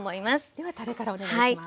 ではたれからお願いします。